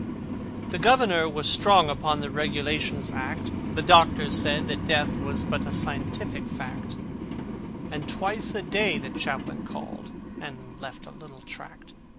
The Governor was strong upon The Regulations Act: The Doctor said that Death was but A scientific fact: And twice a day the Chaplain called, And left a little tract.